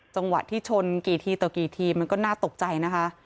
จังหวะที่ชนกี่ทีต่อกี่ทีมันก็น่าตกใจนะคะ